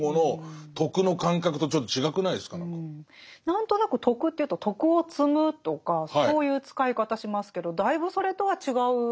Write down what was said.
何となく徳というと徳を積むとかそういう使い方しますけどだいぶそれとは違う。